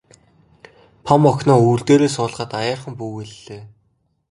Том охиноо өвөр дээрээ суулгаад аяархан бүүвэйллээ.